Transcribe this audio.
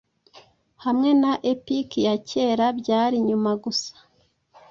hamwe na Epic ya kera Byari nyuma gusa